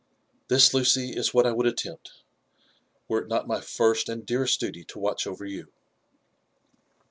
This, Lucy, is what I would attempt^ were it net my first and dearest duty to watch over you."